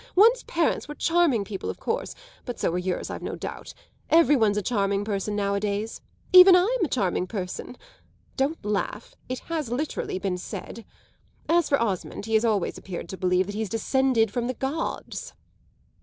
One's parents were charming people of course; but so were yours, I've no doubt. Every one's a charming person nowadays. Even I'm a charming person; don't laugh, it has literally been said. As for Osmond, he has always appeared to believe that he's descended from the gods."